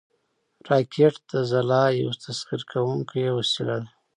راکټ د خلا یو تسخیر کوونکی وسیله ده